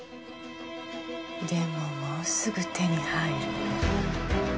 でももうすぐ手に入る。